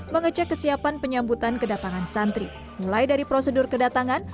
mengecek kesiapan penyambutan kedatangan santri mulai dari prosedur kedatangan